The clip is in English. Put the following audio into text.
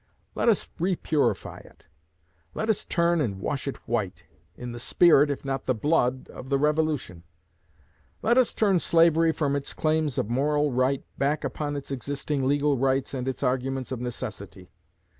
Let us repurify it. Let us turn and wash it white, in the spirit, if not the blood, of the Revolution. Let us turn slavery from its claims of 'moral right,' back upon its existing legal rights and its arguments of 'necessity.'